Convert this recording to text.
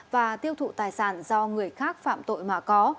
và tiêu thụ tài sản do người khác phạm tội mà có